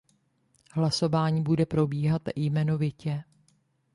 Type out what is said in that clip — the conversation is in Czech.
Hlasování bude probíhat jmenovitě.